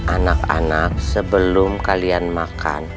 anak anak sebelum kalian makan